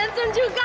handsome juga ya